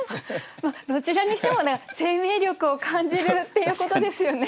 どちらにしても生命力を感じるっていうことですよね。